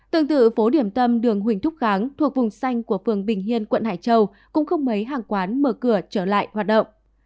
tương tự phố điểm tâm đường huỳnh thúc kháng thuộc vùng xanh của phường bình hiên quận hải châu cũng không mấy hàng quán mở cửa trở lại hoạt động